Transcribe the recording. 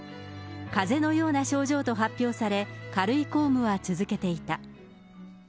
かぜのような症状と発表され、軽い公務は続けていた。